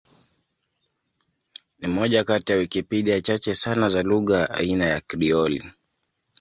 Ni moja kati ya Wikipedia chache sana za lugha ya aina ya Krioli.